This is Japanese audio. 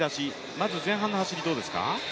まず前半の走りどうですか？